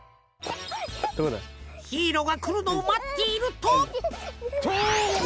ヒーローがくるのをまっているととう！